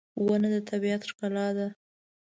• ونه د طبیعت ښکلا ده.